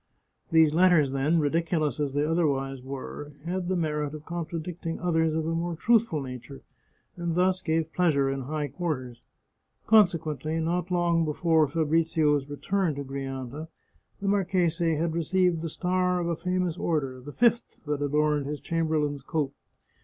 These letters, then, ridiculous as they otherwise were, had the merit of contradicting others of a more truthful nature, and thus gave pleasure in high quarters. Consequently, not long before Fabrizio's return to Grianta, the marchese had received the star of a famous order — the fifth that adorned his chamberlain's coat.